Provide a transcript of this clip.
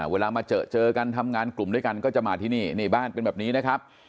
เวลามาเจอเจอกันทำงานกลุ่มด้วยกันก็จะมาที่นี่นี่บ้านเป็นแบบนี้นะครับ